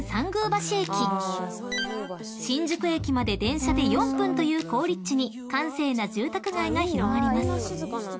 ［新宿駅まで電車で４分という好立地に閑静な住宅街が広がります］